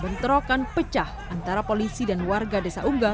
benterokan pecah antara polisi dan warga desa unggah